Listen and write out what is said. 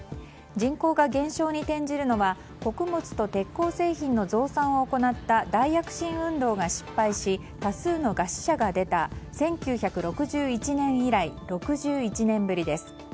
人口が減少に転じるのは穀物と鉄鋼製品の増産を行った大躍進運動が失敗し多数の餓死者が出た１９６１年以来６１年ぶりです。